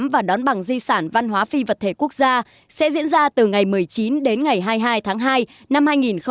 và đón bằng di sản văn hóa phi vật thể quốc gia sẽ diễn ra từ ngày một mươi chín đến ngày hai mươi hai tháng hai năm hai nghìn hai mươi